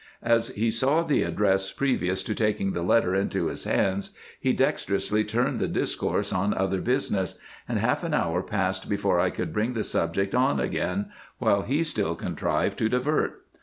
As he saw the address previous to taking the letter into his hands, he dexterously turned the discourse on other business ; and half an hour passed be fore I could bring the subject on again, which he still contrived to divert.